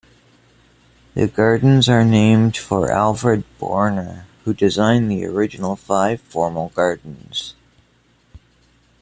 The gardens are named for Alfred Boerner, who designed the original five formal gardens.